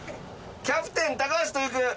「キャプテン高橋と行く！